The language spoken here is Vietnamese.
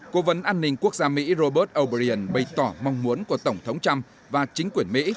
cố vấn an ninh quốc gia mỹ robert o brien bày tỏ mong muốn của tổng thống trump và chính quyền mỹ